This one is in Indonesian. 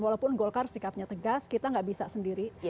walaupun golkar sikapnya tegas kita nggak bisa sendiri